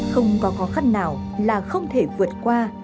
không có khó khăn nào là không thể vượt qua